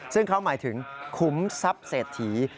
ซึ่งเขาหมายถึงขุมทรัพย์เศรษฐี